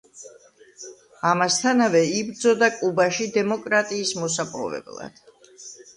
ამასთანავე იბრძოდა კუბაში დემოკრატიის მოსაპოვებლად.